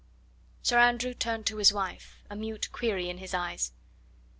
Sir Andrew turned to his wife, a mute query in his eyes.